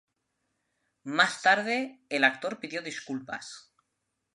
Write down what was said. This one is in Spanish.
Más tarde, el actor pidió disculpas.